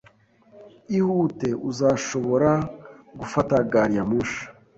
Ihute, uzashobora gufata gari ya moshi